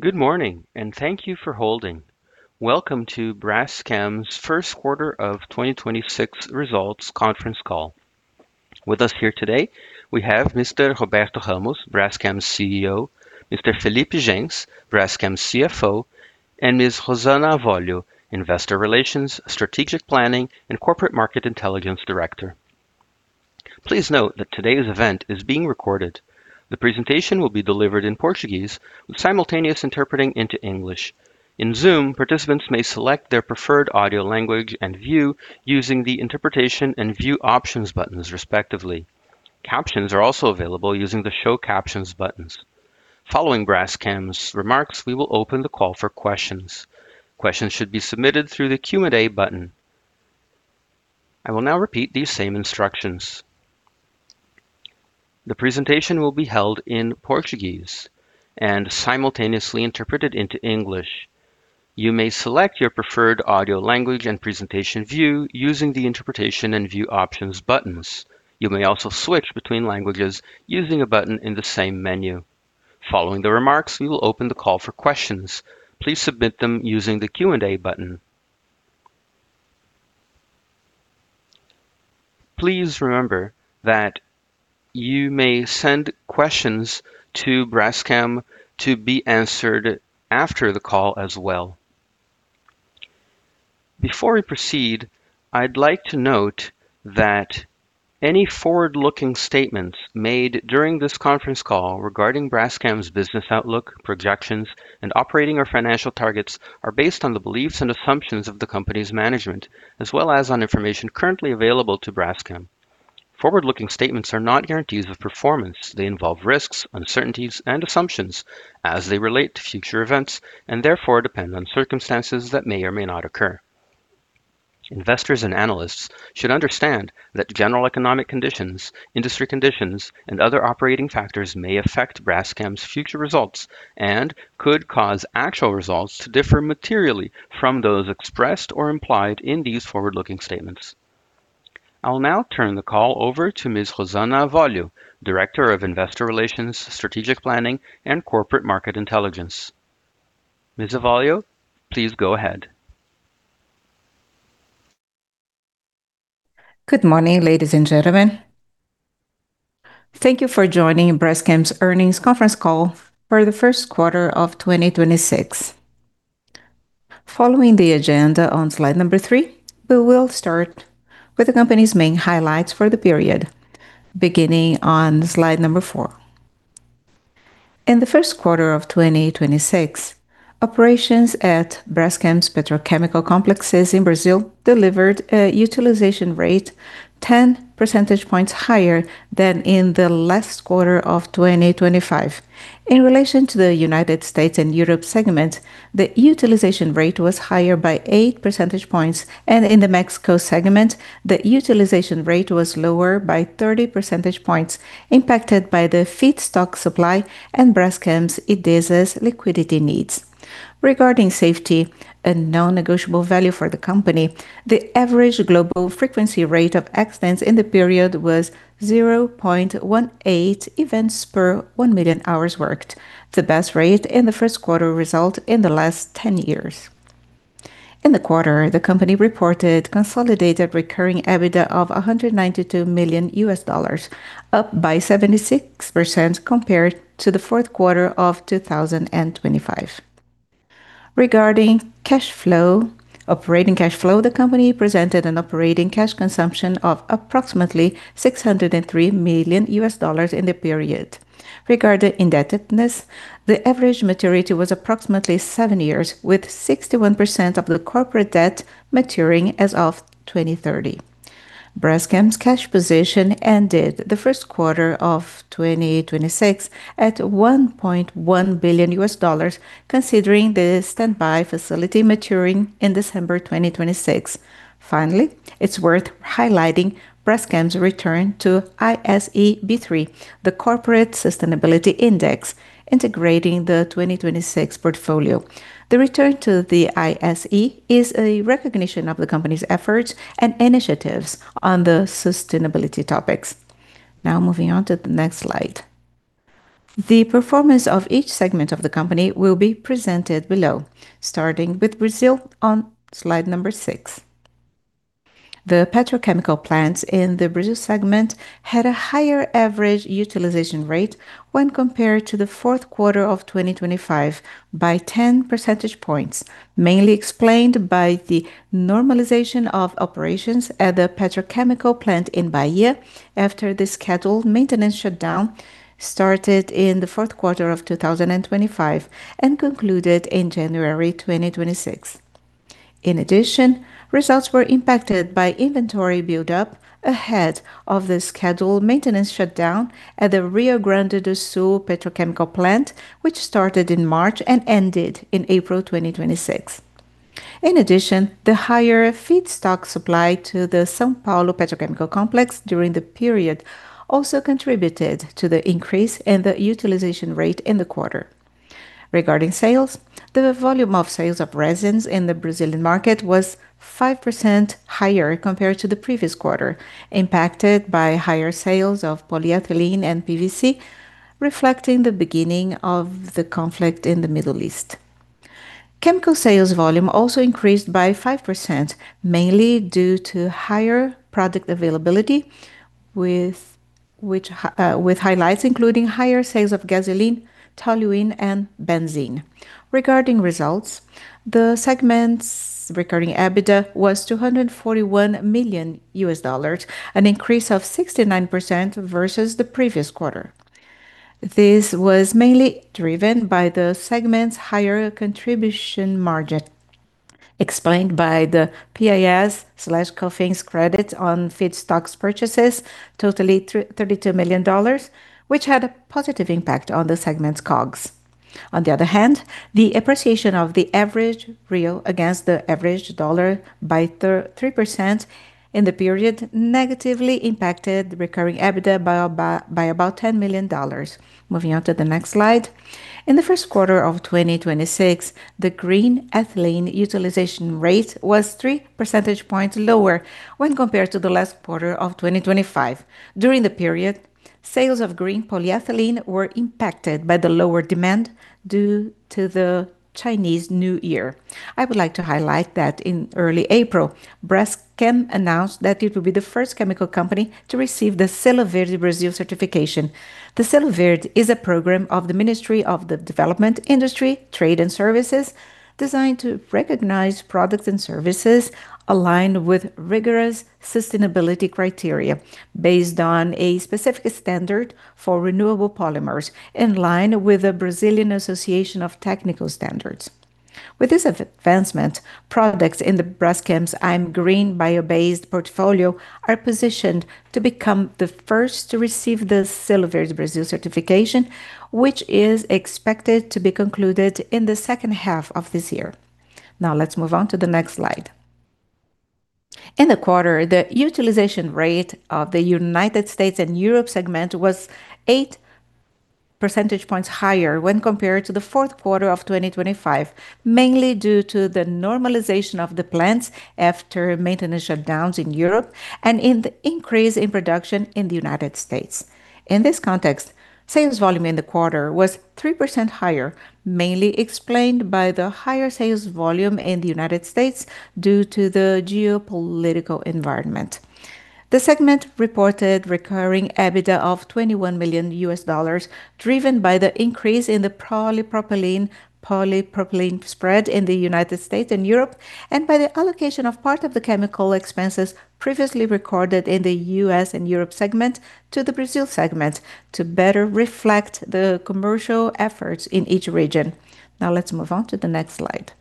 Good morning, and thank you for holding. Welcome to Braskem's first quarter of 2026 results conference call. With us here today we have Mr. Roberto Ramos, Braskem's CEO, Mr. Felipe Jens, Braskem's CFO, and Ms. Rosana Avolio, Investor Relations, Strategic Planning, and Corporate Market Intelligence Director. Please note that today's event is being recorded. The presentation will be delivered in Portuguese with simultaneous interpreting into English. In Zoom, participants may select their preferred audio language and view using the Interpretation and View Options buttons respectively. Captions are also available using the Show Captions buttons. Following Braskem's remarks, we will open the call for questions. Questions should be submitted through the Q&A button. I will now repeat these same instructions. The presentation will be held in Portuguese and simultaneously interpreted into English. You may select your preferred audio language and presentation view using the Interpretation and View Options buttons. You may also switch between languages using a button in the same menu. Following the remarks, we will open the call for questions. Please submit them using the Q&A button. Please remember that you may send questions to Braskem to be answered after the call as well. Before we proceed, I'd like to note that any forward-looking statements made during this conference call regarding Braskem's business outlook, projections, and operating or financial targets are based on the beliefs and assumptions of the company's management, as well as on information currently available to Braskem. Forward-looking statements are not guarantees of performance. They involve risks, uncertainties, and assumptions as they relate to future events, and therefore depend on circumstances that may or may not occur. Investors and analysts should understand that general economic conditions, industry conditions, and other operating factors may affect Braskem's future results and could cause actual results to differ materially from those expressed or implied in these forward-looking statements. I'll now turn the call over to Ms. Rosana Avolio, Director of Investor Relations, Strategic Planning, and Market Intelligence. Ms. Avolio, please go ahead. Good morning, ladies and gentlemen. Thank you for joining Braskem's earnings conference call for the first quarter of 2026. Following the agenda on slide number three, we will start with the company's main highlights for the period beginning on slide number four. In the first quarter of 2026, operations at Braskem's petrochemical complexes in Brazil delivered a utilization rate 10 percentage points higher than in the last quarter of 2025. In relation to the U.S. and Europe segment, the utilization rate was higher by 8 percentage points, and in the Mexico segment, the utilization rate was lower by 30 percentage points impacted by the feedstock supply and Braskem Idesa's liquidity needs. Regarding safety, a non-negotiable value for the company, the average global frequency rate of accidents in the period was 0.18 events per 1 million hours worked, the best rate in the first quarter result in the last 10 years. In the quarter, the company reported consolidated recurring EBITDA of $192 million, up by 76% compared to the fourth quarter of 2025. Regarding cash flow, operating cash flow, the company presented an operating cash consumption of approximately $603 million in the period. Regarding indebtedness, the average maturity was approximately seven years, with 61% of the corporate debt maturing as of 2030. Braskem's cash position ended the first quarter of 2026 at $1.1 billion considering the standby facility maturing in December 2026. Finally, it's worth highlighting Braskem's return to ISE B3, the Corporate Sustainability Index, integrating the 2026 portfolio. The return to the ISE is a recognition of the company's efforts and initiatives on the sustainability topics. Now moving on to the next slide. The performance of each segment of the company will be presented below, starting with Brazil on slide number six. The petrochemical plants in the Brazil segment had a higher average utilization rate when compared to the fourth quarter of 2025 by 10 percentage points, mainly explained by the normalization of operations at the petrochemical plant in Bahia after the scheduled maintenance shutdown started in the fourth quarter of 2025 and concluded in January 2026. In addition, results were impacted by inventory buildup ahead of the scheduled maintenance shutdown at the Rio Grande do Sul petrochemical plant, which started in March and ended in April 2026. In addition, the higher feedstock supply to the São Paulo petrochemical complex during the period also contributed to the increase in the utilization rate in the quarter. Regarding sales, the volume of sales of resins in the Brazilian market was 5% higher compared to the previous quarter, impacted by higher sales of polyethylene and PVC, reflecting the beginning of the conflict in the Middle East. Chemical sales volume also increased by 5%, mainly due to higher product availability with which, with highlights including higher sales of gasoline, toluene, and benzene. Regarding results, the segment's recurring EBITDA was $241 million, an increase of 69% versus the previous quarter. This was mainly driven by the segment's higher contribution margin explained by the PIS/COFINS credit on feedstocks purchases totaling $32 million, which had a positive impact on the segment's COGS. On the other hand, the appreciation of the average real against the average dollar by 3% in the period negatively impacted recurring EBITDA by about $10 million. Moving on to the next slide. In the first quarter of 2026, the green ethylene utilization rate was 3 percentage points lower when compared to the last quarter of 2025. During the period, sales of green polyethylene were impacted by the lower demand due to the Chinese New Year. I would like to highlight that in early April, Braskem announced that it will be the first chemical company to receive the Selo Verde Brasil certification. The Selo Verde is a program of the Ministry of Development, Industry, Trade and Services designed to recognize products and services aligned with rigorous sustainability criteria based on a specific standard for renewable polymers in line with the Brazilian Association of Technical Standards. With this advancement, products in the Braskem's I'm green bio-based portfolio are positioned to become the first to receive the Selo Verde Brasil certification, which is expected to be concluded in the second half of this year. Let's move on to the next slide. In the quarter, the utilization rate of the U.S. and Europe segment was 8 percentage points higher when compared to the fourth quarter of 2025, mainly due to the normalization of the plants after maintenance shutdowns in Europe and in the increase in production in the United States. In this context, sales volume in the quarter was 3% higher, mainly explained by the higher sales volume in the United States due to the geopolitical environment. The segment reported recurring EBITDA of $21 million, driven by the increase in the polypropylene spread in the United States and Europe, and by the allocation of part of the chemical expenses previously recorded in the U.S. and Europe segment to the Brazil segment to better reflect the commercial efforts in each region. Let's move on to the next slide.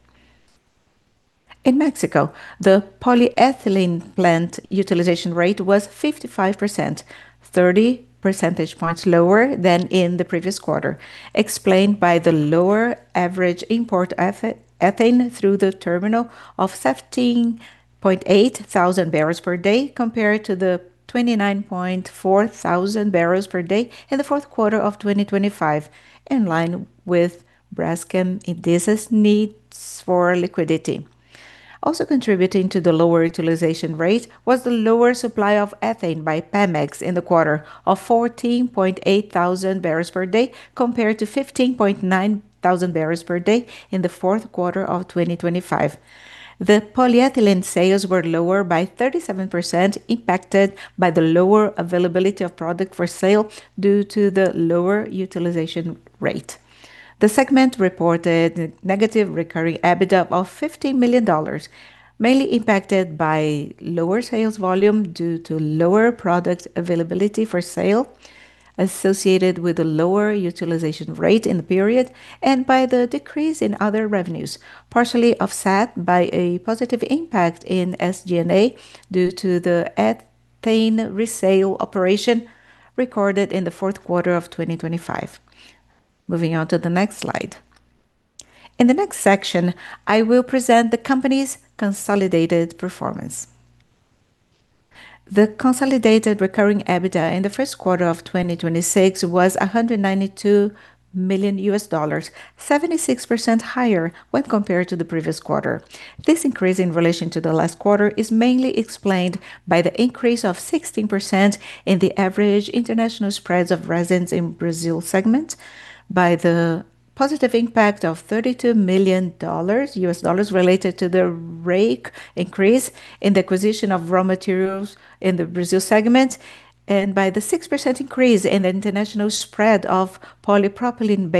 In Mexico, the polyethylene plant utilization rate was 55%, 30 percentage points lower than in the previous quarter, explained by the lower average import ethane through the terminal of 17,800 barrels per day compared to 29,400 barrels per day in the fourth quarter of 2025, in line with Braskem Idesa's needs for liquidity. Also contributing to the lower utilization rate was the lower supply of ethane by PEMEX in the quarter of 14,800 barrels per day compared to 15,900 barrels per day in the fourth quarter of 2025. The polyethylene sales were lower by 37% impacted by the lower availability of product for sale due to the lower utilization rate. The segment reported negative recurring EBITDA of $15 million, mainly impacted by lower sales volume due to lower product availability for sale associated with a lower utilization rate in the period and by the decrease in other revenues, partially offset by a positive impact in SG&A due to the ethane resale operation recorded in the fourth quarter of 2025. Moving on to the next slide. In the next section, I will present the company's consolidated performance. The consolidated recurring EBITDA in the first quarter of 2026 was $192 million, 76% higher when compared to the previous quarter. This increase in relation to the last quarter is mainly explained by the increase of 16% in the average international spreads of resins in Brazil segment by the positive impact of $32 million related to the rate increase in the acquisition of raw materials in the Brazil segment and by the 6% increase in the international spread of polypropylene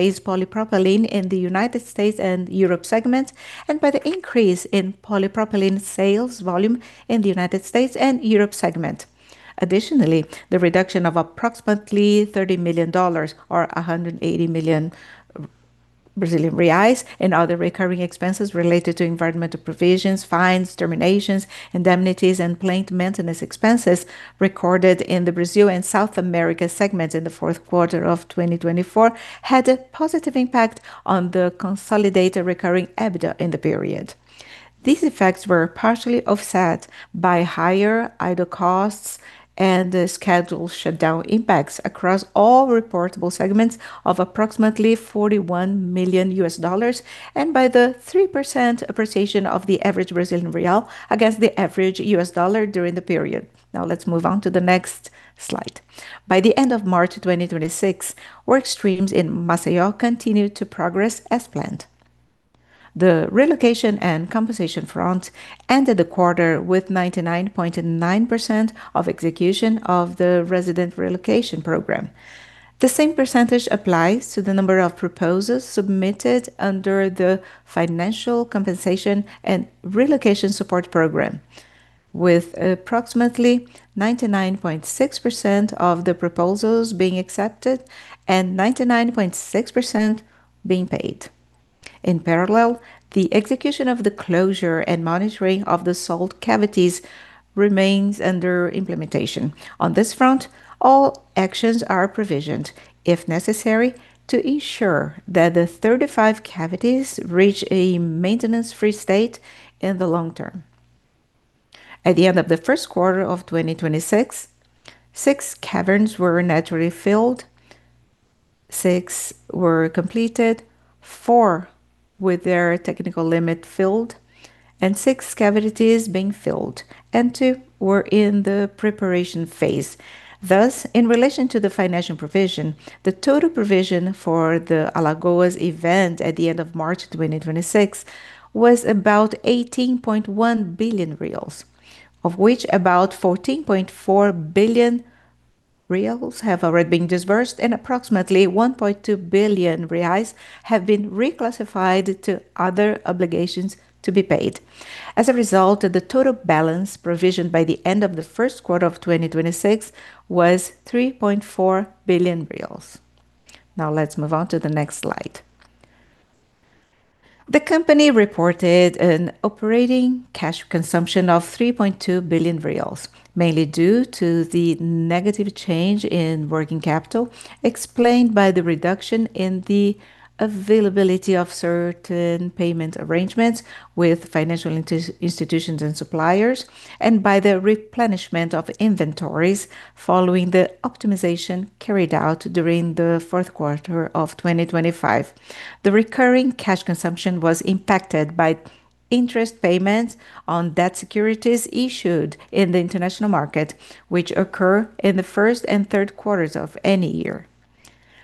in the U.S. and Europe segment, and by the increase in polypropylene sales volume in the U.S. and Europe segment. Additionally, the reduction of approximately $30 million or 180 million Brazilian reais in other recurring expenses related to environmental provisions, fines, terminations, indemnities, and plant maintenance expenses recorded in the Brazil and South America segments in the fourth quarter of 2024 had a positive impact on the consolidated recurring EBITDA in the period. These effects were partially offset by higher idle costs and the scheduled shutdown impacts across all reportable segments of approximately $41 million and by the 3% appreciation of the average Brazilian real against the average U.S. dollar during the period. Let's move on to the next slide. By the end of March 2026, work streams in Maceió continued to progress as planned. The relocation and compensation front ended the quarter with 99.9% of execution of the resident relocation program. The same percentage applies to the number of proposals submitted under the Financial Compensation and Relocation Support Program, with approximately 99.6% of the proposals being accepted and 99.6% being paid. In parallel, the execution of the closure and monitoring of the salt cavities remains under implementation. On this front, all actions are provisioned, if necessary, to ensure that the 35 cavities reach a maintenance-free state in the long term. At the end of the first quarter of 2026, six caverns were naturally filled, six were completed, four with their technical limit filled, and six cavities being filled, and two were in the preparation phase. In relation to the financial provision, the total provision for the Alagoas event at the end of March 2026 was about 18.1 billion reais, of which about 14.4 billion reais have already been disbursed, and approximately 1.2 billion reais have been reclassified to other obligations to be paid. The total balance provisioned by the end of the first quarter of 2026 was 3.4 billion reais. Let's move on to the next slide. The company reported an operating cash consumption of 3.2 billion reais, mainly due to the negative change in working capital, explained by the reduction in the availability of certain payment arrangements with financial institutions and suppliers, and by the replenishment of inventories following the optimization carried out during the fourth quarter of 2025. The recurring cash consumption was impacted by interest payments on debt securities issued in the international market, which occur in the first and third quarters of any year.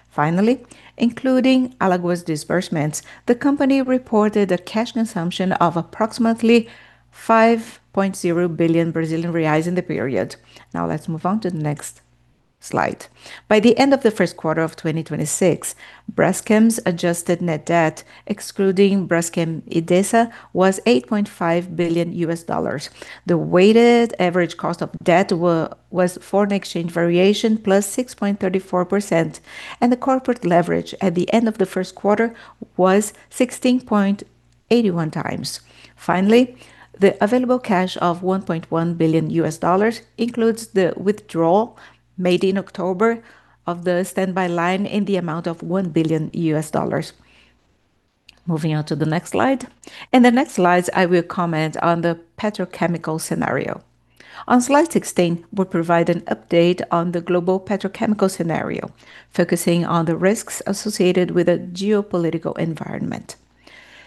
Finally, including Alagoas disbursements, the company reported a cash consumption of approximately 5.0 billion Brazilian reais in the period. Now let's move on to the next slide. By the end of the first quarter of 2026, Braskem's adjusted net debt, excluding Braskem Idesa, was $8.5 billion. The weighted average cost of debt was foreign exchange variation +6.34%, the corporate leverage at the end of the first quarter was 16.81x. Finally, the available cash of $1.1 billion includes the withdrawal made in October of the standby line in the amount of $1 billion. Moving on to the next slide. In the next slides, I will comment on the petrochemical scenario. On slide 16, we provide an update on the global petrochemical scenario, focusing on the risks associated with the geopolitical environment.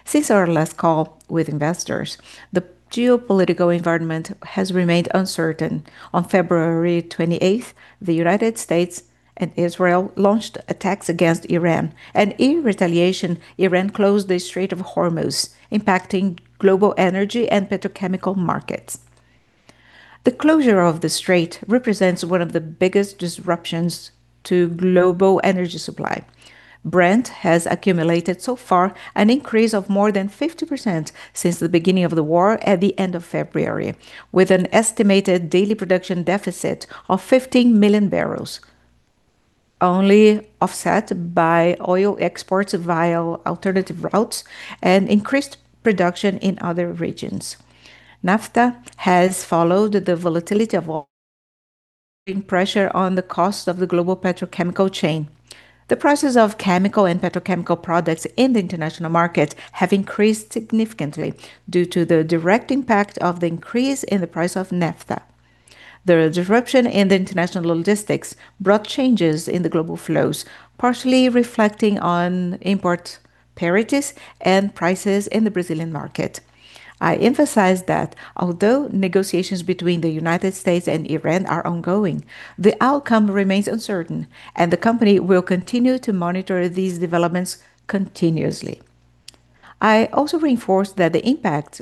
Since our last call with investors, the geopolitical environment has remained uncertain. On February 28th, the U.S. and Israel launched attacks against Iran. In retaliation, Iran closed the Strait of Hormuz, impacting global energy and petrochemical markets. The closure of the strait represents one of the biggest disruptions to global energy supply. Brent has accumulated so far an increase of more than 50% since the beginning of the war at the end of February, with an estimated daily production deficit of 15MMbbl, only offset by oil exports via alternative routes and increased production in other regions. Naphtha has followed the volatility of oil, putting pressure on the cost of the global petrochemical chain. The prices of chemical and petrochemical products in the international market have increased significantly due to the direct impact of the increase in the price of naphtha. The disruption in the international logistics brought changes in the global flows, partially reflecting on import parities and prices in the Brazilian market. I emphasize that although negotiations between the United States and Iran are ongoing, the outcome remains uncertain, and the company will continue to monitor these developments continuously. I also reinforce that the impact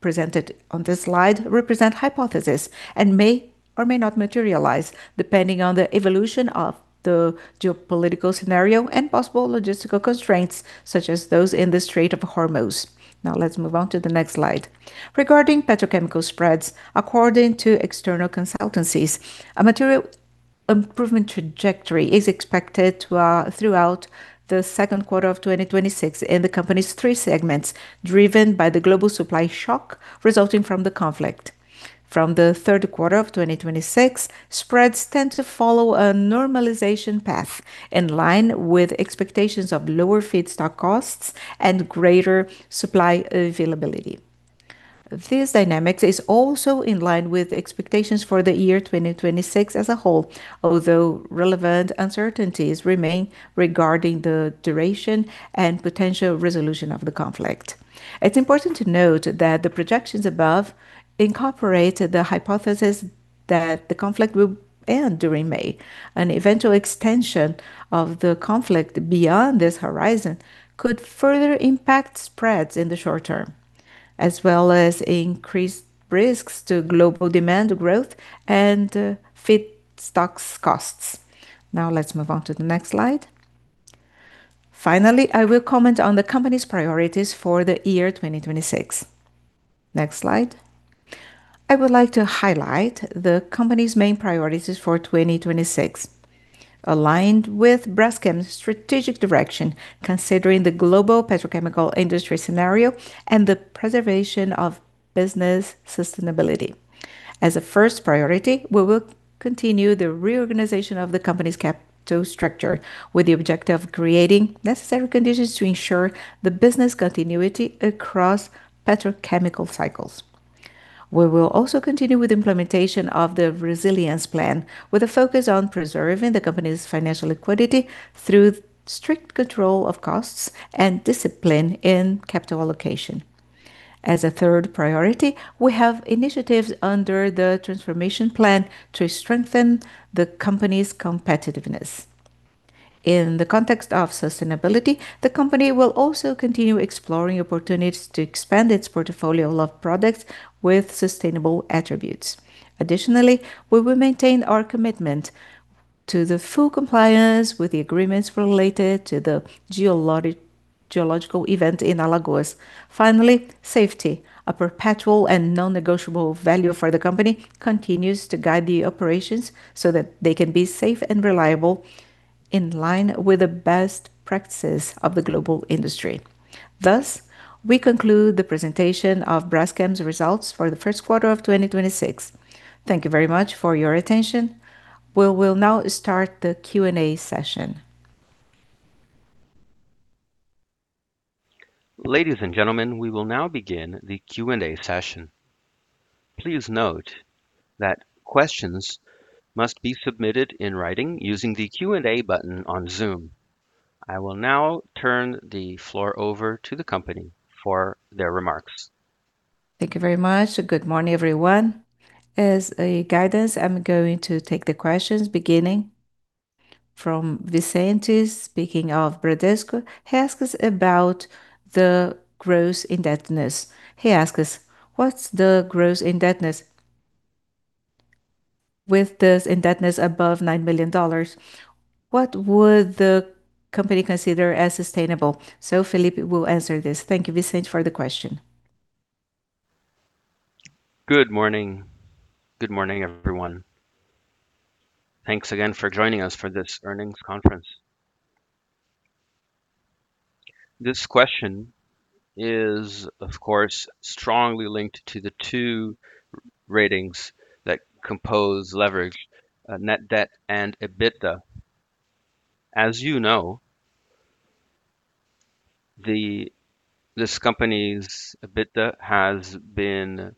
presented on this slide represent hypotheses and may or may not materialize, depending on the evolution of the geopolitical scenario and possible logistical constraints, such as those in the Strait of Hormuz. Now let's move on to the next slide. Regarding petrochemical spreads, according to external consultancies, a material improvement trajectory is expected throughout the second quarter of 2026 in the company's three segments, driven by the global supply shock resulting from the conflict. From the third quarter of 2026, spreads tend to follow a normalization path in line with expectations of lower feedstock costs and greater supply availability. This dynamic is also in line with expectations for the year 2026 as a whole, although relevant uncertainties remain regarding the duration and potential resolution of the conflict. It's important to note that the projections above incorporate the hypothesis that the conflict will end during May. An eventual extension of the conflict beyond this horizon could further impact spreads in the short term, as well as increased risks to global demand growth and feedstocks costs. Let's move on to the next slide. I will comment on the company's priorities for the year 2026. Next slide. I would like to highlight the company's main priorities for 2026, aligned with Braskem's strategic direction, considering the global petrochemical industry scenario and the preservation of business sustainability. As a first priority, we will continue the reorganization of the company's capital structure with the objective of creating necessary conditions to ensure the business continuity across petrochemical cycles. We will also continue with implementation of the resilience plan, with a focus on preserving the company's financial liquidity through strict control of costs and discipline in capital allocation. As a third priority, we have initiatives under the transformation plan to strengthen the company's competitiveness. In the context of sustainability, the company will also continue exploring opportunities to expand its portfolio of products with sustainable attributes. Additionally, we will maintain our commitment to the full compliance with the agreements related to the geological event in Alagoas. Finally, safety, a perpetual and non-negotiable value for the company, continues to guide the operations so that they can be safe and reliable in line with the best practices of the global industry. We conclude the presentation of Braskem's results for the first quarter of 2026. Thank you very much for your attention. We will now start the Q&A session. Ladies and gentlemen, we will now begin the Q&A session. Please note that questions must be submitted in writing using the Q&A button on Zoom. I will now turn the floor over to the company for their remarks. Thank you very much. Good morning, everyone. As a guidance, I'm going to take the questions beginning from Vicente, speaking of Bradesco. He asks about the gross indebtedness. He asks us, "What's the gross indebtedness? With this indebtedness above $9 million, what would the company consider as sustainable?" Felipe will answer this. Thank you, Vicente, for the question. Good morning. Good morning, everyone. Thanks again for joining us for this earnings conference. This question is, of course, strongly linked to the two ratings that compose leverage, net debt and EBITDA. As you know, this company's EBITDA has been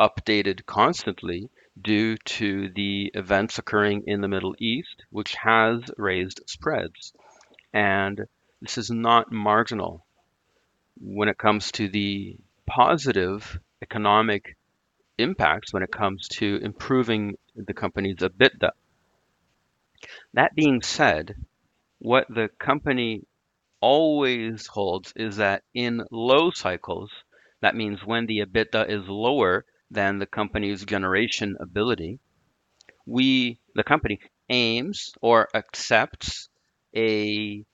updated constantly due to the events occurring in the Middle East, which has raised spreads, and this is not marginal when it comes to the positive economic impacts, when it comes to improving the company's EBITDA. That being said, what the company always holds is that in low cycles, that means when the EBITDA is lower than the company's generation ability, we, the company, aims or accepts a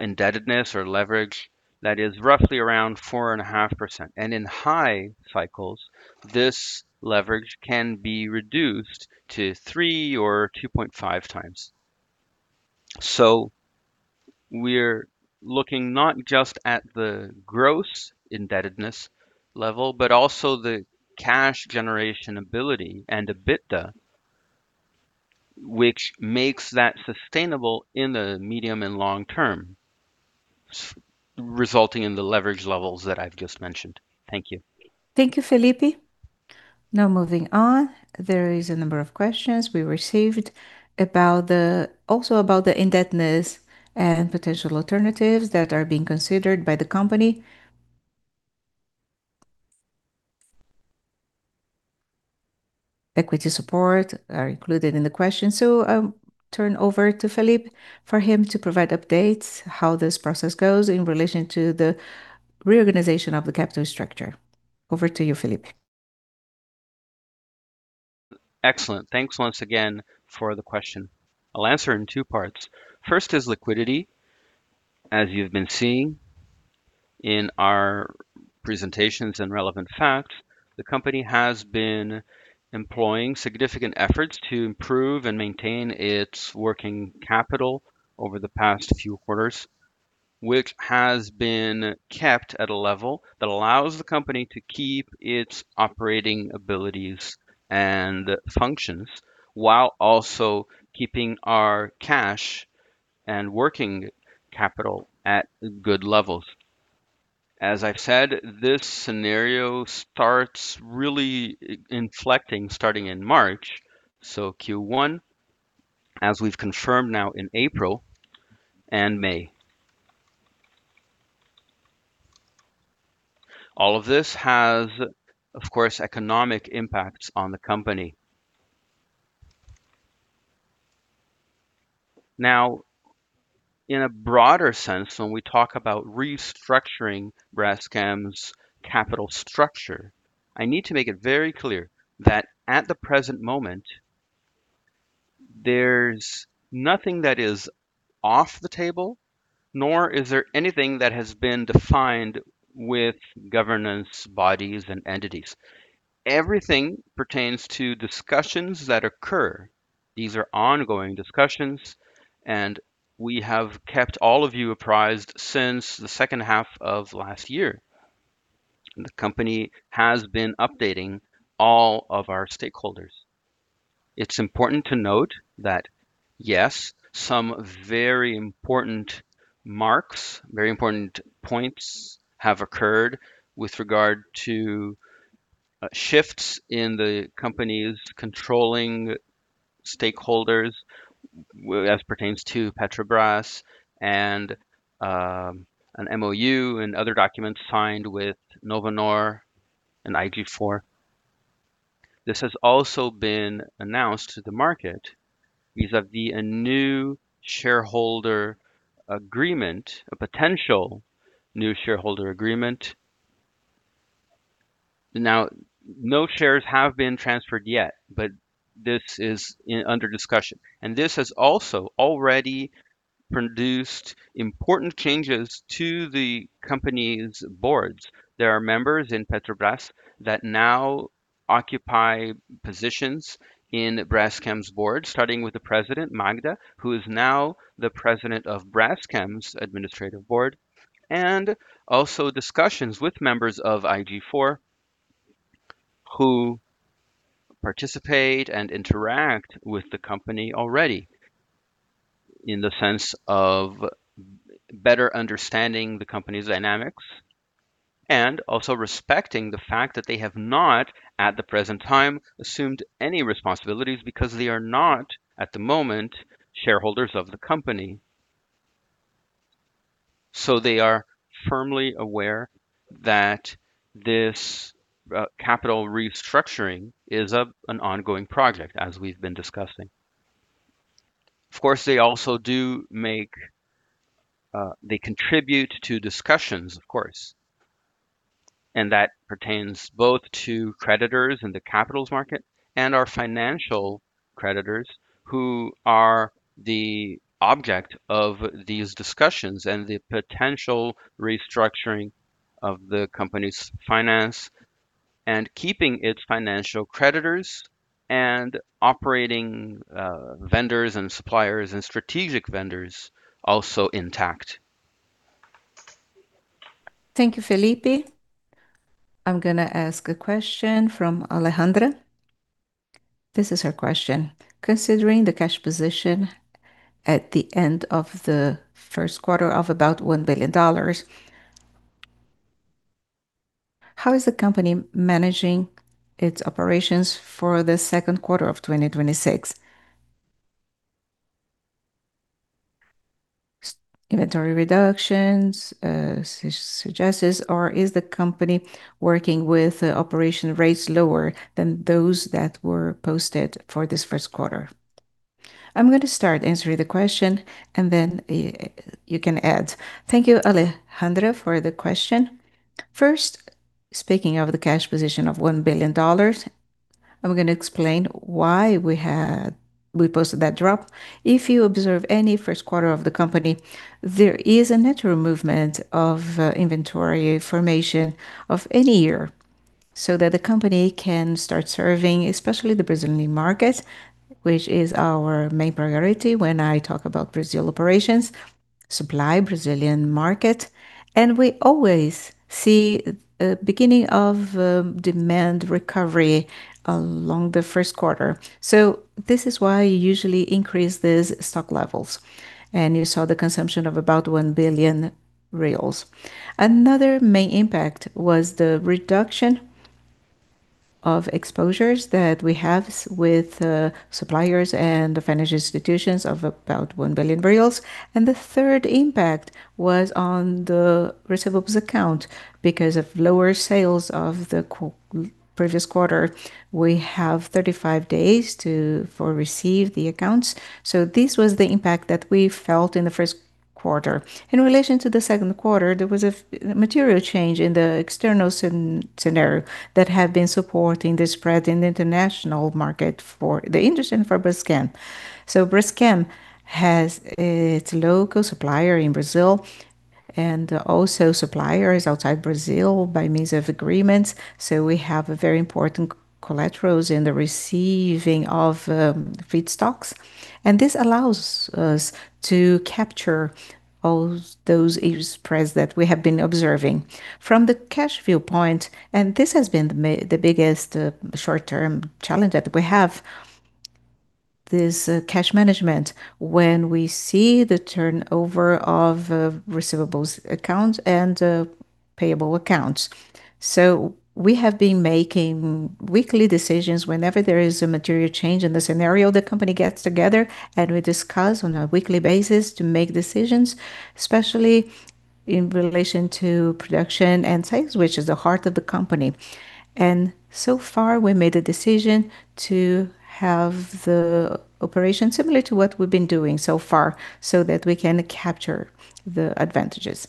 indebtedness or leverage that is roughly around 4.5%. In high cycles, this leverage can be reduced to 3x or 2.5x. We're looking not just at the gross indebtedness level, but also the cash generation ability and EBITDA, which makes that sustainable in the medium and long term, resulting in the leverage levels that I've just mentioned. Thank you. Thank you, Felipe. Moving on, there is a number of questions we received also about the indebtedness and potential alternatives that are being considered by the company. Equity support are included in the question. I'll turn over to Felipe for him to provide updates, how this process goes in relation to the reorganization of the capital structure. Over to you, Felipe. Excellent. Thanks once again for the question. I'll answer in two parts. First is liquidity. As you've been seeing in our presentations and relevant facts, the company has been employing significant efforts to improve and maintain its working capital over the past few quarters, which has been kept at a level that allows the company to keep its operating abilities and functions while also keeping our cash and working capital at good levels. As I've said, this scenario starts really inflecting starting in March, so Q1, as we've confirmed now in April and May. All of this has, of course, economic impacts on the company. Now, in a broader sense, when we talk about restructuring Braskem's capital structure, I need to make it very clear that at the present moment, there's nothing that is off the table, nor is there anything that has been defined with governance bodies and entities. Everything pertains to discussions that occur. These are ongoing discussions. We have kept all of you apprised since the second half of last year. The company has been updating all of our stakeholders. It's important to note that, yes, some very important marks, very important points have occurred with regard to shifts in the company's controlling stakeholders as pertains to Petrobras and an MOU and other documents signed with Novonor and IG4. This has also been announced to the market vis-a-vis a new shareholder agreement, a potential new shareholder agreement. No shares have been transferred yet. This is in under discussion. This has also already produced important changes to the company's boards. There are members in Petrobras that now occupy positions in Braskem's board, starting with President Magda, who is now the president of Braskem's administrative board, and also discussions with members of IG4 who participate and interact with the company already in the sense of better understanding the company's dynamics and also respecting the fact that they have not, at the present time, assumed any responsibilities because they are not, at the moment, shareholders of the company. They are firmly aware that this capital restructuring is an ongoing project, as we've been discussing. Of course, they contribute to discussions, of course, and that pertains both to creditors in the capitals market and our financial creditors who are the object of these discussions and the potential restructuring of the company's finances and keeping its financial creditors and operating vendors and suppliers and strategic vendors also intact. Thank you, Felipe. I'm going to ask a question from Alejandra. This is her question: Considering the cash position at the end of the first quarter of about $1 billion, how is the company managing its operations for the second quarter of 2026? Inventory reductions suggest, or is the company working with operation rates lower than those that were posted for this first quarter? I'm going to start answering the question, and then, you can add. Thank you, Alejandra, for the question. First, speaking of the cash position of $1 billion, I'm going to explain why we posted that drop. If you observe any first quarter of the company, there is a natural movement of inventory formation of any year so that the company can start serving, especially the Brazilian market, which is our main priority when I talk about Brazil operations, supply Brazilian market. We always see a beginning of a demand recovery along the first quarter. This is why you usually increase these stock levels, and you saw the consumption of about 1 billion reais. Another main impact was the reduction of exposures that we have with suppliers and the financial institutions of about 1 billion BRL. The third impact was on the receivables account. Because of lower sales of the previous quarter, we have 35 days to for receive the accounts. This was the impact that we felt in the first quarter. In relation to the second quarter, there was a material change in the external scenario that had been supporting the spread in the international market for the interest in Braskem. Braskem has its local supplier in Brazil and also suppliers outside Brazil by means of agreements, so we have a very important collaterals in the receiving of, feedstocks, and this allows us to capture all those spreads that we have been observing. From the cash viewpoint, and this has been the biggest, short-term challenge that we have, this, cash management, when we see the turnover of, receivables accounts and, payable accounts. We have been making weekly decisions. Whenever there is a material change in the scenario, the company gets together, and we discuss on a weekly basis to make decisions. Especially in relation to production and sales, which is the heart of the company. So far, we made a decision to have the operation similar to what we've been doing so far, so that we can capture the advantages.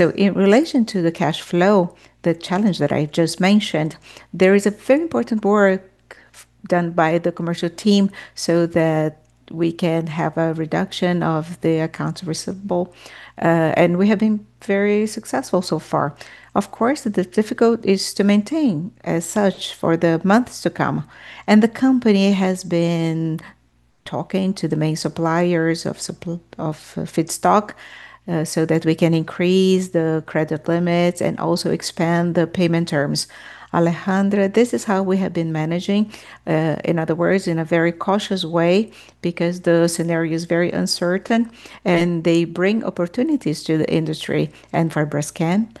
In relation to the cash flow, the challenge that I just mentioned, there is a very important work done by the commercial team so that we can have a reduction of the accounts receivable. We have been very successful so far. Of course, the difficulty is to maintain as such for the months to come. The company has been talking to the main suppliers of feedstock, so that we can increase the credit limits and also expand the payment terms. Alejandra, this is how we have been managing, in other words, in a very cautious way because the scenario is very uncertain and they bring opportunities to the industry and Braskem can.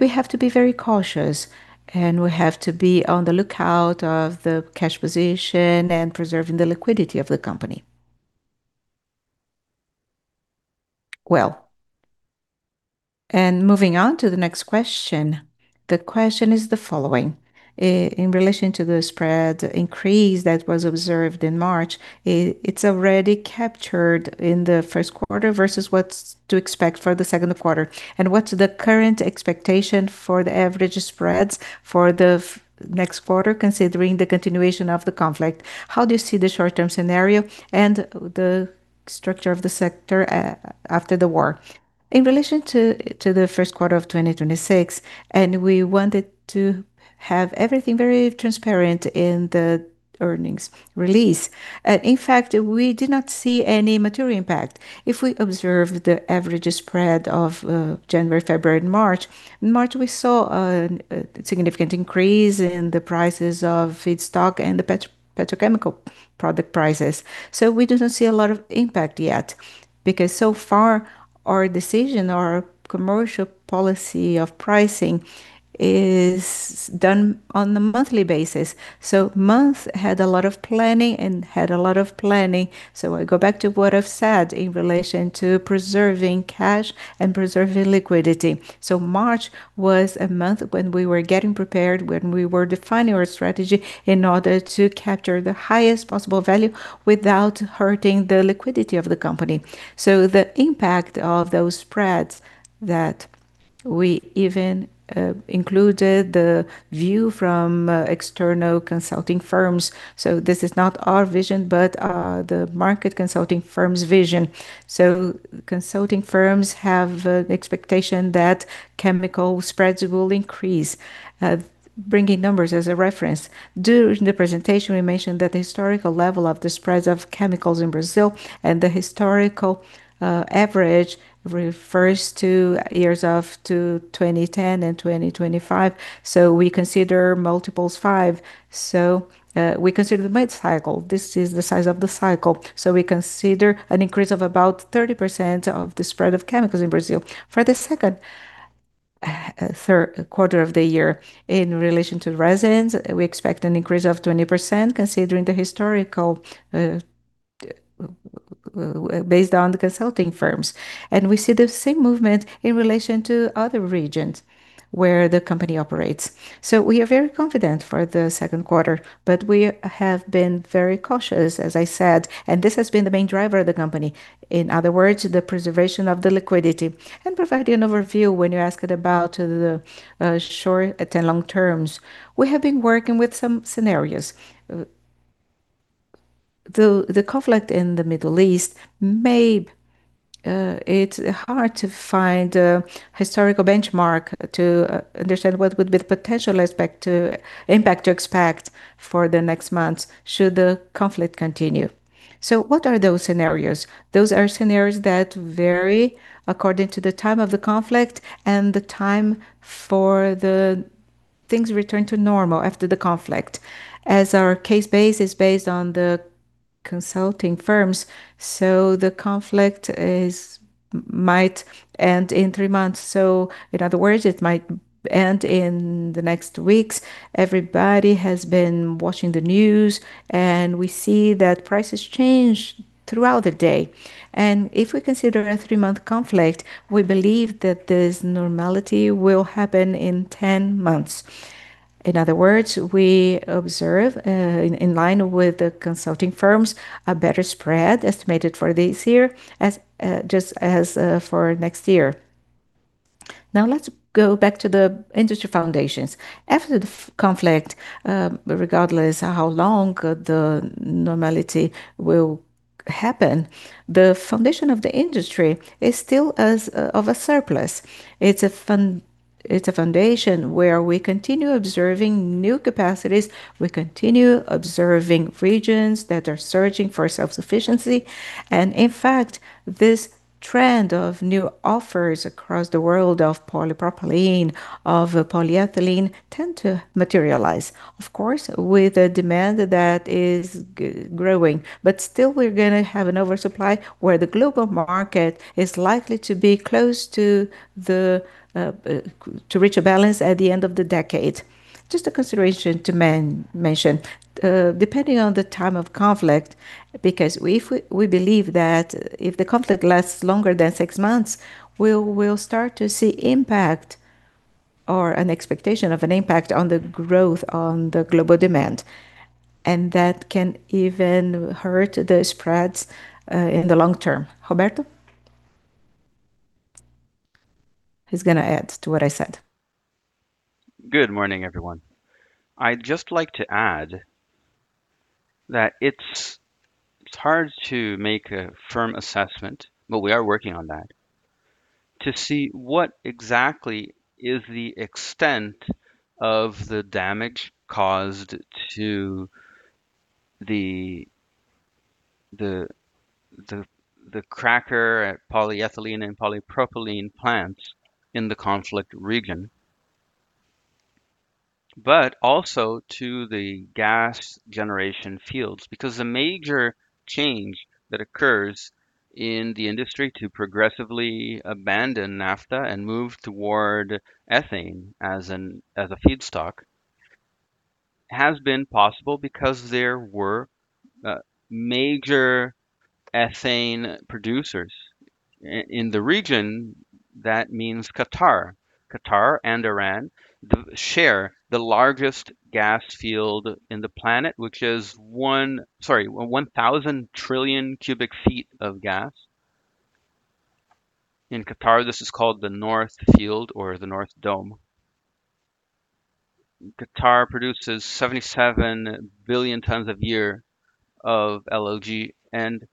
We have to be very cautious, and we have to be on the lookout of the cash position and preserving the liquidity of the company. Well, moving on to the next question, the question is the following. In relation to the spread increase that was observed in March, it's already captured in the first quarter versus what's to expect for the second quarter. What's the current expectation for the average spreads for the next quarter considering the continuation of the conflict? How do you see the short-term scenario and the structure of the sector after the war? In relation to the first quarter of 2026, we wanted to have everything very transparent in the earnings release. In fact, we did not see any material impact. If we observe the average spread of January, February, and March. In March, we saw a significant increase in the prices of feedstock and the petrochemical product prices. We didn't see a lot of impact yet, because so far our decision, our commercial policy of pricing is done on a monthly basis. Month had a lot of planning. I go back to what I've said in relation to preserving cash and preserving liquidity. March was a month when we were getting prepared, when we were defining our strategy in order to capture the highest possible value without hurting the liquidity of the company. The impact of those spreads that we even included the view from external consulting firms. This is not our vision, but the market consulting firm's vision. Consulting firms have expectation that chemical spreads will increase. Bringing numbers as a reference. During the presentation, we mentioned that the historical level of the spreads of chemicals in Brazil and the historical average refers to years of to 2010 and 2025. We consider 5x. We consider the mid-cycle. This is the size of the cycle. We consider an increase of about 30% of the spread of chemicals in Brazil. For the second, third quarter of the year in relation to resins, we expect an increase of 20% considering the historical, based on the consulting firms. We see the same movement in relation to other regions where the company operates. We are very confident for the second quarter, but we have been very cautious, as I said, and this has been the main driver of the company. In other words, the preservation of the liquidity. Providing an overview when you asked about the short-term and long terms. We have been working with some scenarios. The conflict in the Middle East. It's hard to find a historical benchmark to understand what would be the potential impact to expect for the next months should the conflict continue. What are those scenarios? Those are scenarios that vary according to the time of the conflict and the time for the things return to normal after the conflict, as our case base is based on the consulting firms, so the conflict might end in three months. In other words, it might end in the next weeks. Everybody has been watching the news, we see that prices change throughout the day. If we consider a three-month conflict, we believe that this normality will happen in 10 months. In other words, we observe in line with the consulting firms, a better spread estimated for this year as just as for next year. Now let's go back to the industry foundations. After the conflict, regardless how long the normality will happen, the foundation of the industry is still as of a surplus. It's a foundation where we continue observing new capacities, we continue observing regions that are searching for self-sufficiency. In fact, this trend of new offers across the world of polypropylene, of polyethylene, tend to materialize. Of course, with a demand that is growing, but still we're gonna have an oversupply where the global market is likely to be close to reach a balance at the end of the decade. Just a consideration to mention, depending on the time of conflict, because if we believe that if the conflict lasts longer than six months, we'll start to see impact or an expectation of an impact on the growth on the global demand, and that can even hurt the spreads in the long term. Roberto? He's gonna add to what I said. Good morning, everyone. I'd just like to add that it's hard to make a firm assessment, but we are working on that, to see what exactly is the extent of the damage caused to the cracker at polyethylene and polypropylene plants in the conflict region, but also to the gas generation fields. A major change that occurs in the industry to progressively abandon naphtha and move toward ethane as a feedstock has been possible because there were major ethane producers. In the region, that means Qatar. Qatar and Iran share the largest gas field in the planet, which is 1,000 Tcf of gas. In Qatar, this is called the North Field or the North Dome. Qatar produces 77 million tonnes a year of LNG and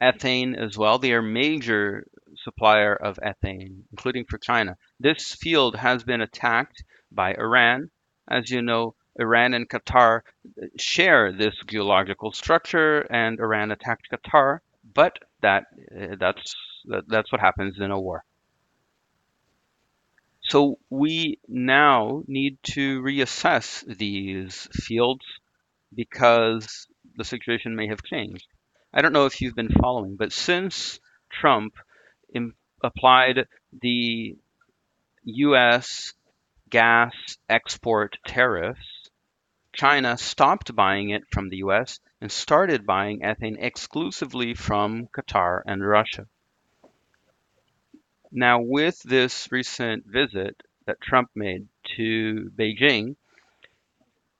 ethane as well. They are major supplier of ethane, including for China. This field has been attacked by Iran. As you know, Iran and Qatar share this geological structure, and Iran attacked Qatar, but that's what happens in a war. We now need to reassess these fields because the situation may have changed. I don't know if you've been following, but since Trump applied the U.S. gas export tariffs, China stopped buying it from the U.S. and started buying ethane exclusively from Qatar and Russia. With this recent visit that Trump made to Beijing,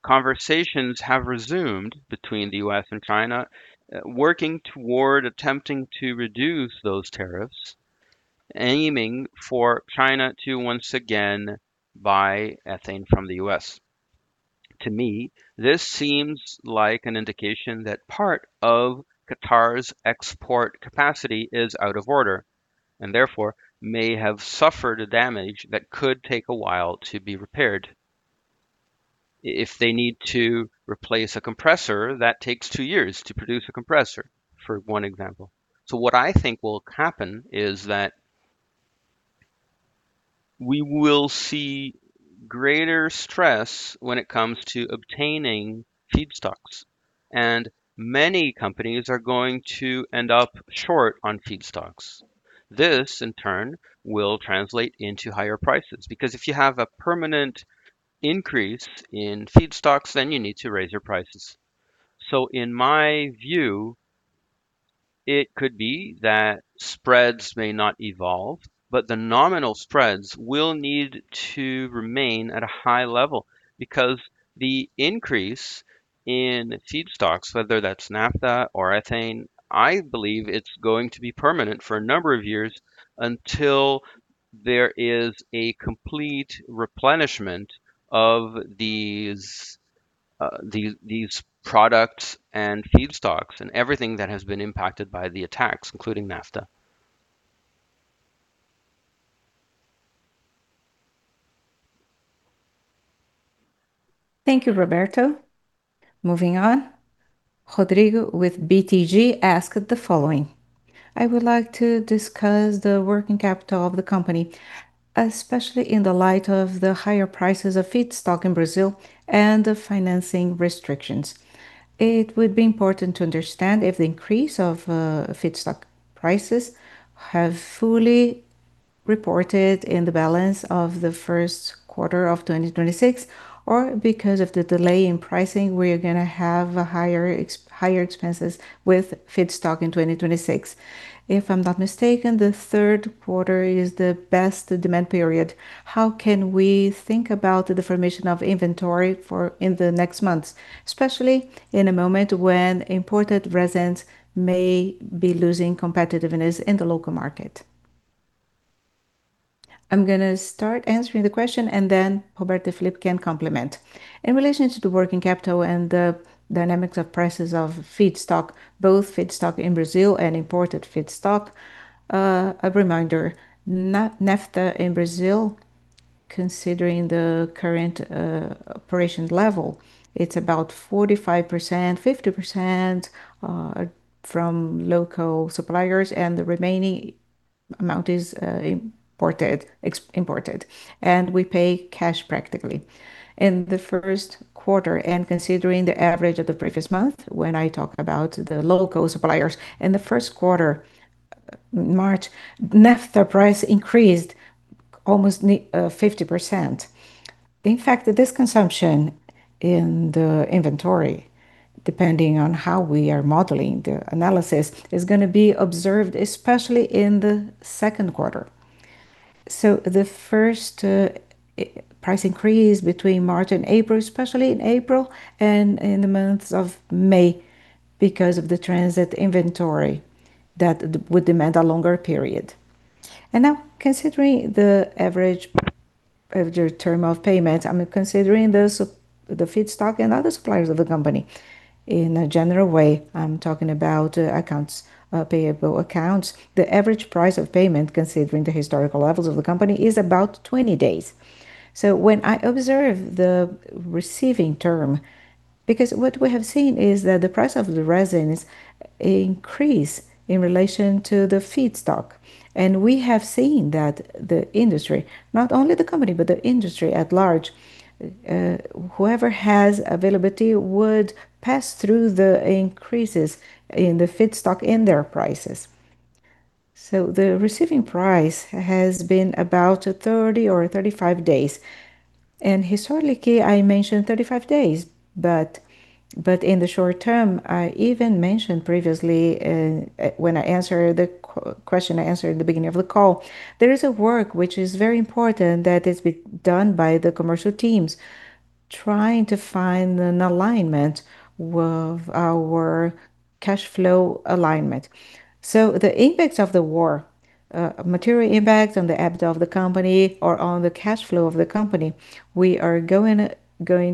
conversations have resumed between the U.S. and China, working toward attempting to reduce those tariffs, aiming for China to once again buy ethane from the U.S. To me, this seems like an indication that part of Qatar's export capacity is out of order, and therefore may have suffered damage that could take a while to be repaired. If they need to replace a compressor, that takes two years to produce a compressor, for one example. What I think will happen is that we will see greater stress when it comes to obtaining feedstocks, and many companies are going to end up short on feedstocks. This, in turn, will translate into higher prices, because if you have a permanent increase in feedstocks, then you need to raise your prices. In my view, it could be that spreads may not evolve, but the nominal spreads will need to remain at a high level because the increase in feedstocks, whether that's naphtha or ethane, I believe it's going to be permanent for a number of years until there is a complete replenishment of these products and feedstocks and everything that has been impacted by the attacks, including naphtha. Thank you, Roberto. Moving on. Rodrigo with BTG asked the following: "I would like to discuss the working capital of the company, especially in the light of the higher prices of feedstock in Brazil and the financing restrictions. It would be important to understand if the increase of feedstock prices have fully reported in the balance of the first quarter of 2026, or because of the delay in pricing, we're gonna have higher expenses with feedstock in 2026. If I'm not mistaken, the third quarter is the best demand period. How can we think about the formation of inventory in the next months, especially in a moment when imported resins may be losing competitiveness in the local market?" I'm gonna start answering the question, and then Roberto, Felipe can complement. In relation to the working capital and the dynamics of prices of feedstock, both feedstock in Brazil and imported feedstock, a reminder, naphtha in Brazil, considering the current operation level, it's about 45%-50% from local suppliers, and the remaining amount is imported, and we pay cash practically. In the first quarter, and considering the average of the previous month, when I talk about the local suppliers, in the first quarter, March, naphtha price increased almost 50%. In fact, this consumption in the inventory depending on how we are modeling the analysis is gonna be observed especially in the second quarter. The first price increase between March and April, especially in April and in the months of May because of the transit inventory that would demand a longer period. Now considering the average of their term of payment, I'm considering those, the feedstock and other suppliers of the company. In a general way, I'm talking about accounts, payable accounts. The average price of payment considering the historical levels of the company is about 20 days. When I observe the receiving term, because what we have seen is that the price of the resin is increase in relation to the feedstock, and we have seen that the industry, not only the company, but the industry at large, whoever has availability would pass through the increases in the feedstock in their prices. The receiving price has been about 30 or 35 days, and historically I mentioned 35 days, but in the short term, I even mentioned previously in when I answered the question I answered at the beginning of the call, there is a work which is very important that is done by the commercial teams trying to find an alignment with our cashflow alignment. The impact of the war, material impacts on the EBITDA of the company or on the cash flow of the company, we are going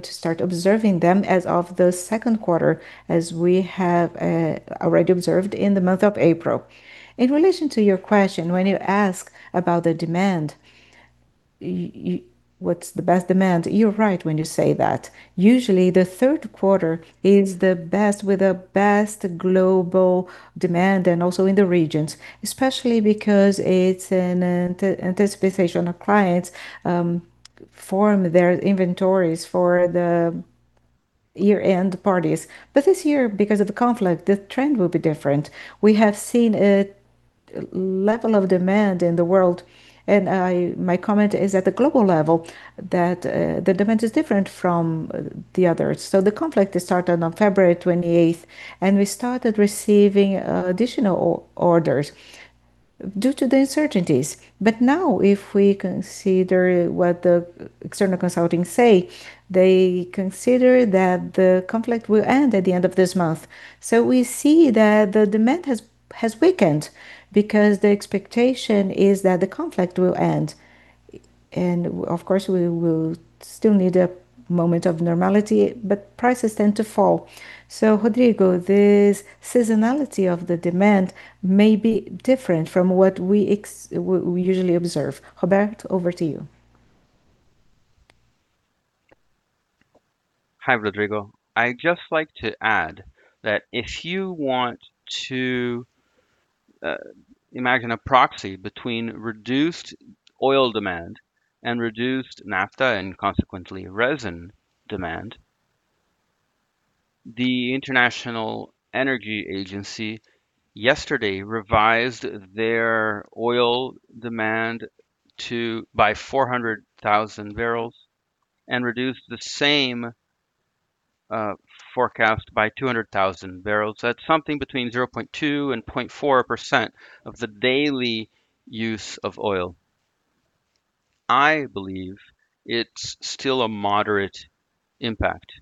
to start observing them as of the second quarter as we have already observed in the month of April. In relation to your question, when you ask about the demand, what's the best demand? You're right when you say that. Usually the third quarter is the best with the best global demand and also in the regions, especially because it's an anticipation of clients, form their inventories for the year-end parties. This year, because of the conflict, the trend will be different. We have seen a level of demand in the world, and I, my comment is at the global level that the demand is different from the others. The conflict started on February 28th, and we started receiving additional orders due to the uncertainties. Now if we consider what the external consulting say, they consider that the conflict will end at the end of this month. We see that the demand has weakened because the expectation is that the conflict will end. Of course, we will still need a moment of normality, but prices tend to fall. Rodrigo, this seasonality of the demand may be different from what we usually observe. Roberto, over to you. Hi, Rodrigo. I'd just like to add that if you want to imagine a proxy between reduced oil demand and reduced naphtha and consequently resin demand, the International Energy Agency yesterday revised their oil demand to, by 400,000 bbl and reduced the same forecast by 200,000 bbl. That's something between 0.2% and 0.4% of the daily use of oil. I believe it's still a moderate impact.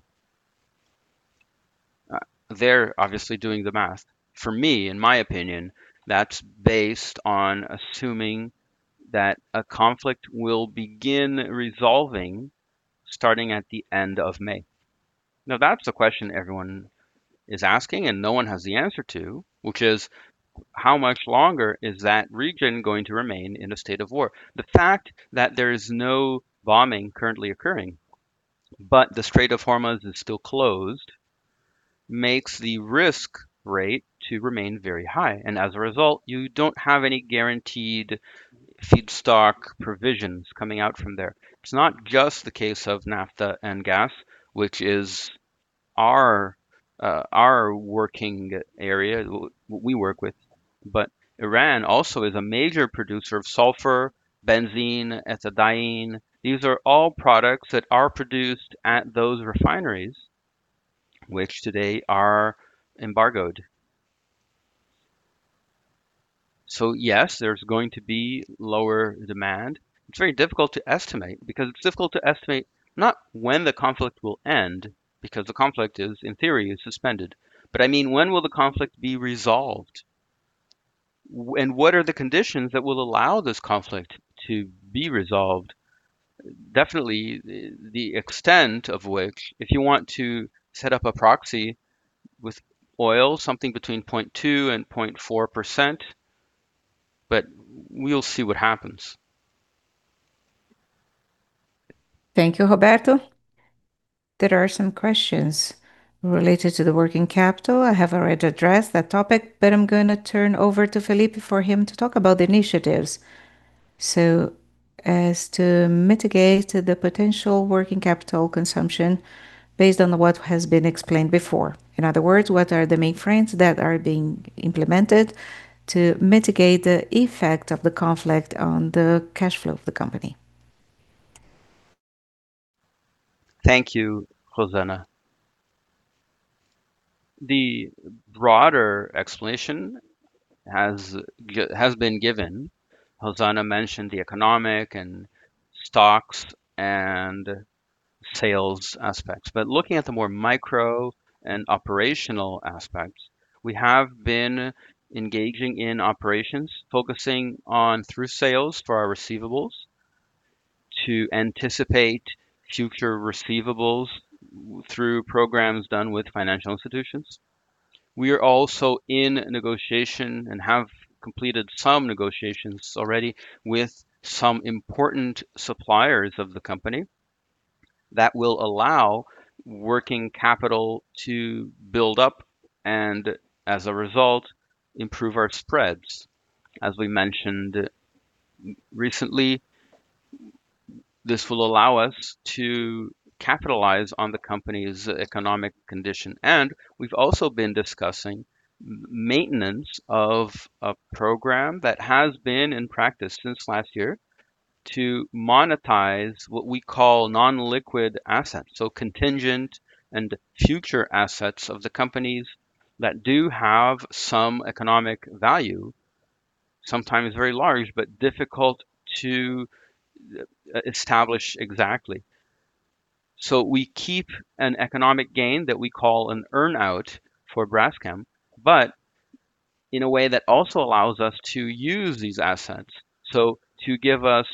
They're obviously doing the math. For me, in my opinion, that's based on assuming that a conflict will begin resolving starting at the end of May. That's the question everyone is asking and no one has the answer to, which is how much longer is that region going to remain in a state of war? The fact that there is no bombing currently occurring, but the Strait of Hormuz is still closed, makes the risk rate to remain very high, and as a result, you don't have any guaranteed feedstock provisions coming out from there. It's not just the case of naphtha and gas, which is our working area, we work with, but Iran also is a major producer of sulfur, benzene, ethylene. These are all products that are produced at those refineries, which today are embargoed. Yes, there's going to be lower demand. It's very difficult to estimate because it's difficult to estimate not when the conflict will end, because the conflict is, in theory, is suspended, but I mean, when will the conflict be resolved? What are the conditions that will allow this conflict to be resolved? Definitely the extent of which, if you want to set up a proxy with oil, something between 0.2% and 0.4%. We'll see what happens. Thank you, Roberto. There are some questions related to the working capital. I have already addressed that topic, but I'm gonna turn over to Felipe for him to talk about the initiatives. As to mitigate the potential working capital consumption based on what has been explained before. In other words, what are the main frames that are being implemented to mitigate the effect of the conflict on the cash flow of the company? Thank you, Rosana. The broader explanation has been given. Rosana mentioned the economic and stocks and sales aspects. Looking at the more micro and operational aspects, we have been engaging in operations, focusing on true sales of our receivables to anticipate future receivables through programs done with financial institutions. We are also in negotiation, and have completed some negotiations already, with some important suppliers of the company that will allow working capital to build up and, as a result, improve our spreads. As we mentioned recently, this will allow us to capitalize on the company's economic condition. We've also been discussing maintenance of a program that has been in practice since last year to monetize what we call non-liquid assets. Contingent and future assets of the companies that do have some economic value, sometimes very large, but difficult to establish exactly. We keep an economic gain that we call an earn-out for Braskem, but in a way that also allows us to use these assets, so to give us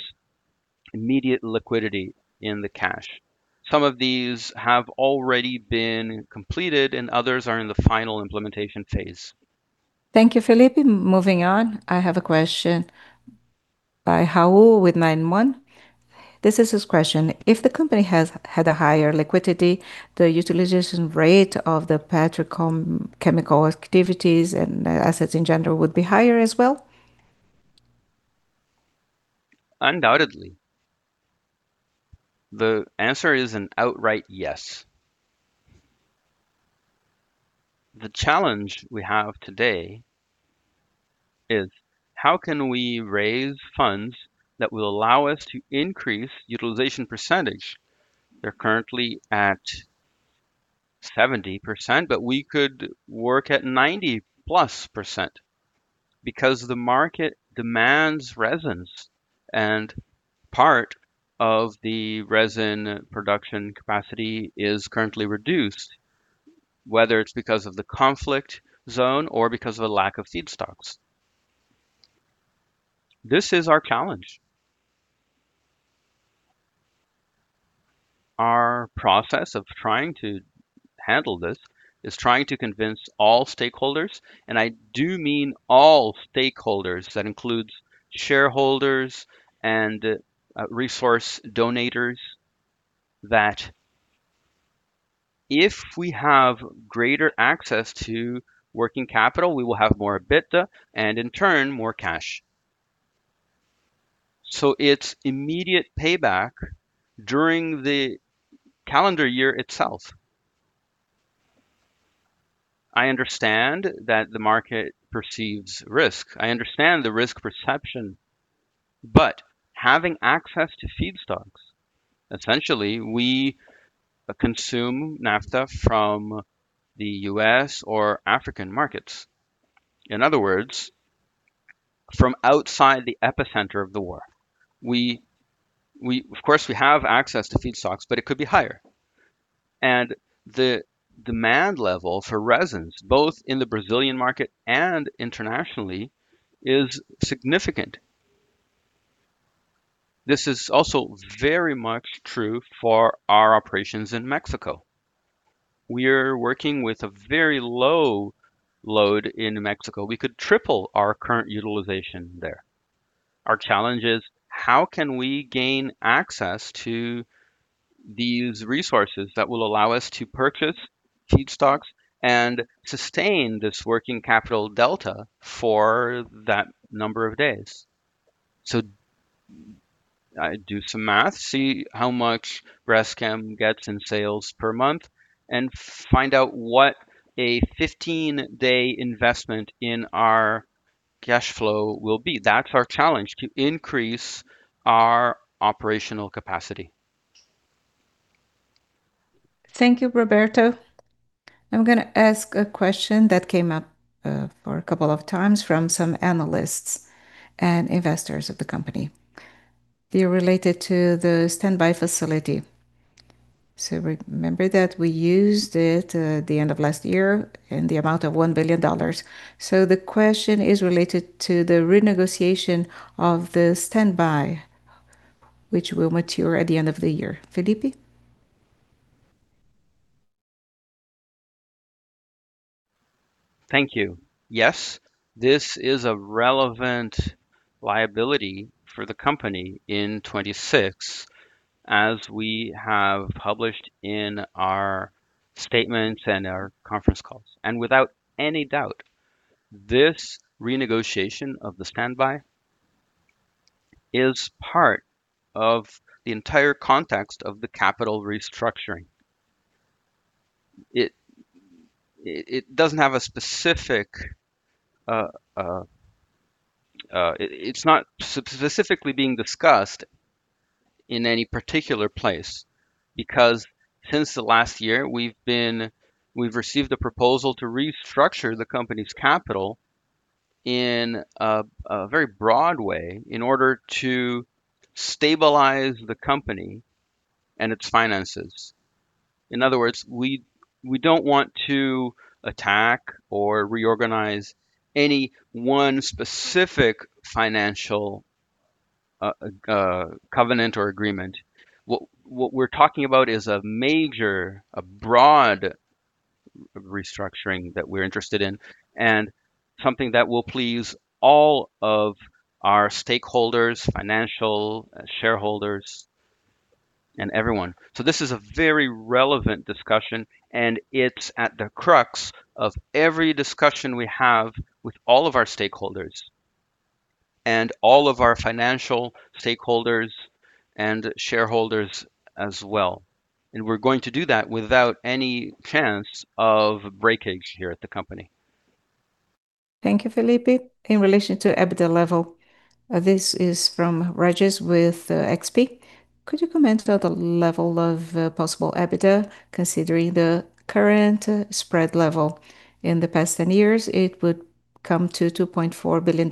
immediate liquidity in the cash. Some of these have already been completed, and others are in the final implementation phase. Thank you, Felipe. Moving on, I have a question by Rahul with Ninety One. This is his question: If the company has had a higher liquidity, the utilization rate of the petrochemical activities and assets in general would be higher as well? Undoubtedly. The answer is an outright yes. The challenge we have today is how can we raise funds that will allow us to increase utilization percentage. They're currently at 70%, but we could work at 90%+ because the market demands resins, and part of the resin production capacity is currently reduced, whether it's because of the conflict zone or because of a lack of feedstocks. This is our challenge. Our process of trying to handle this is trying to convince all stakeholders, and I do mean all stakeholders, that includes shareholders and resource donators, that if we have greater access to working capital, we will have more EBITDA and in turn, more cash. It's immediate payback during the calendar year itself. I understand that the market perceives risk. I understand the risk perception, having access to feedstocks, essentially we consume naphtha from the U.S. or African markets. In other words, from outside the epicenter of the war. We, of course, we have access to feedstocks, it could be higher. The demand level for resins, both in the Brazilian market and internationally, is significant. This is also very much true for our operations in Mexico. We're working with a very low load in Mexico. We could triple our current utilization there. Our challenge is: How can we gain access to these resources that will allow us to purchase feedstocks and sustain this working capital delta for that number of days? Do some math, see how much Braskem gets in sales per month, and find out what a 15-day investment in our cash flow will be. That's our challenge, to increase our operational capacity. Thank you, Roberto. I'm gonna ask a question that came up for a couple of times from some analysts and investors of the company. They're related to the standby facility. Remember that we used it at the end of last year in the amount of $1 billion. The question is related to the renegotiation of the standby, which will mature at the end of the year, Felipe? Thank you. Yes, this is a relevant liability for the company in 2026, as we have published in our statements and our conference calls. Without any doubt, this renegotiation of the standby is part of the entire context of the capital restructuring. It's not specifically being discussed in any particular place because since the last year, we've received a proposal to restructure the company's capital in a very broad way in order to stabilize the company and its finances. In other words, we don't want to attack or reorganize any one specific financial covenant or agreement. What we're talking about is a major, a broad restructuring that we're interested in and something that will please all of our stakeholders, financial shareholders, and everyone. This is a very relevant discussion, and it's at the crux of every discussion we have with all of our stakeholders and all of our financial stakeholders and shareholders as well. We're going to do that without any chance of breakage here at the company. Thank you, Felipe. In relation to EBITDA level, this is from Regis with XP. Could you comment on the level of possible EBITDA considering the current spread level? In the past 10 years it would come to $2.4 billion.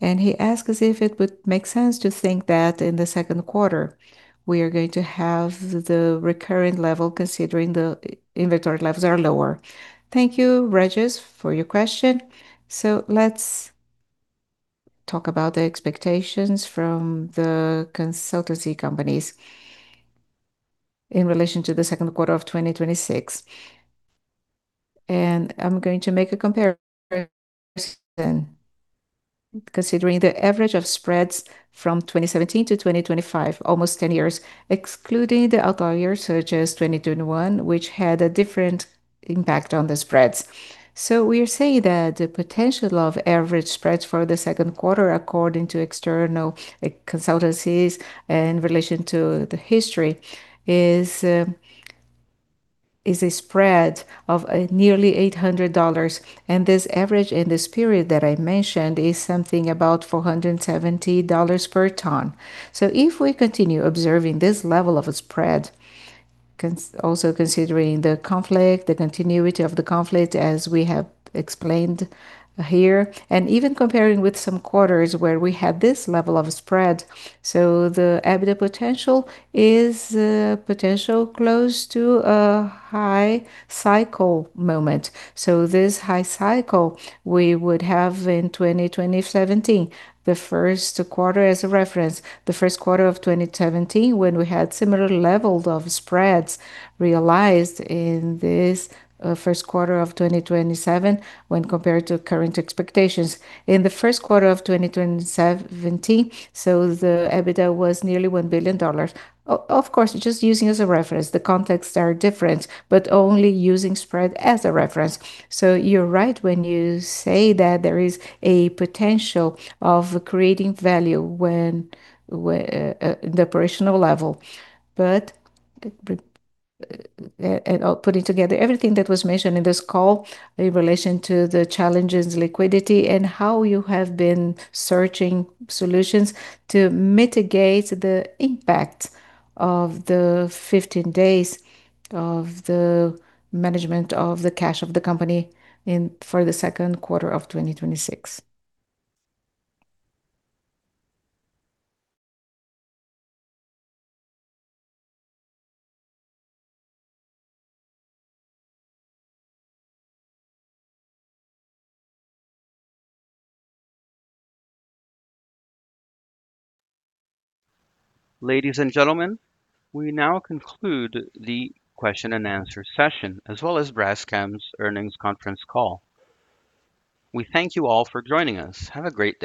He asks if it would make sense to think that in the second quarter we are going to have the recurring level considering the inventory levels are lower. Thank you, Regis, for your question. Let's talk about the expectations from the consultancy companies in relation to the second quarter of 2026. I'm going to make a comparison considering the average of spreads from 2017 to 2025, almost 10 years, excluding the outlier such as 2021, which had a different impact on the spreads. We are saying that the potential of average spreads for the second quarter, according to external consultancies in relation to the history, is a spread of nearly $800. This average in this period that I mentioned is something about $470 per tonne. If we continue observing this level of spread, also considering the conflict, the continuity of the conflict as we have explained here, and even comparing with some quarters where we had this level of spread. The EBITDA potential is a potential close to a high cycle moment. This high cycle we would have in 2017. The first quarter as a reference. The first quarter of 2017 when we had similar levels of spreads realized in this first quarter of 2027 when compared to current expectations. In the first quarter of 2027, the EBITDA was nearly $1 billion. Of course, just using as a reference. The contexts are different, only using spread as a reference. You're right when you say that there is a potential of creating value when at the operational level. Putting together everything that was mentioned in this call in relation to the challenges, liquidity, and how you have been searching solutions to mitigate the impact of the 15 days of the management of the cash of the company for the second quarter of 2026. Ladies and gentlemen, we now conclude the question and answer session, as well as Braskem's earnings conference call. We thank you all for joining us. Have a great day.